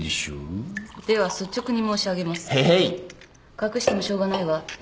隠してもしょうがないわ。